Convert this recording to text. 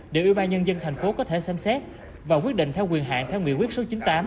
để ủy ban nhân dân tp hcm có thể xem xét và quyết định theo quyền hạng theo nguyễn quyết số chín mươi tám